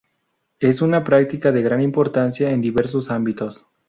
Es una práctica de gran importancia en diversos ámbitos.